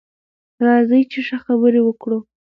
راځئ چې ښه خبرې وکړو.